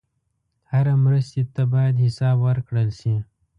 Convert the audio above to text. هره مرستې ته باید حساب ورکړل شي.